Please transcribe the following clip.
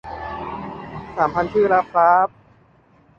สามพันชื่อแล้วคร้าบ